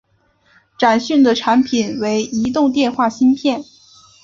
展讯的产品为移动电话芯片。